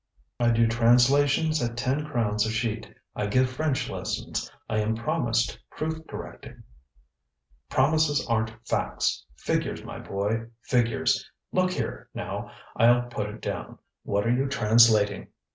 ŌĆØ ŌĆ£I do translations at ten crowns a sheet; I give French lessons, I am promised proof correcting....ŌĆØ ŌĆ£Promises arenŌĆÖt facts! Figures, my boy! Figures! Look here, now, IŌĆÖll put it down. What are you translating?